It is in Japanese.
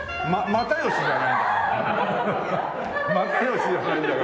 又吉じゃないんだから。